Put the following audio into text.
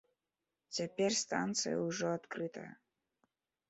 Цяпер станцыя ўжо адкрытая.